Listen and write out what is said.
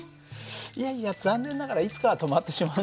いやいや残念ながらいつかは止まってしまうんだよね。